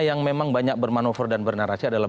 yang memang banyak bermanuver dan bernarasi adalah